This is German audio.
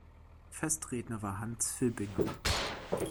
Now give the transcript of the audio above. Festredner war Hans Filbinger.